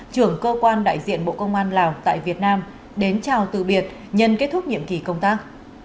trưởng cơ quan đại diện bộ công an lào tại việt nam đến chào từ biệt nhân kết thúc nhiệm kỳ công tác